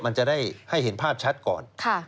มันจะได้ให้เห็นภาพชัดก่อน